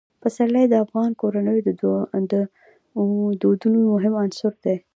پسرلی د افغان کورنیو د دودونو مهم عنصر دی.